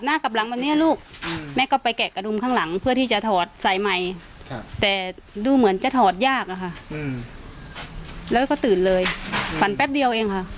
น้องหน้านิ่งเลย